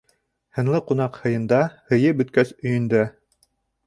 Һынлы ҡунаҡ һыйында, Һыйы бөткәс, өйөндә.